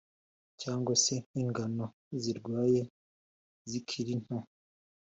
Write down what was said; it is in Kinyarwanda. cyangwa se nk’ingano zirwaye zikiri nto.